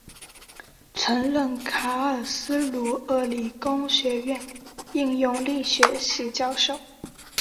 曾任卡尔斯鲁厄理工学院应用力学系教授。